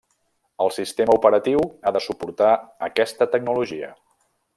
El sistema operatiu ha de suportar aquesta tecnologia.